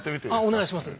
お願いします。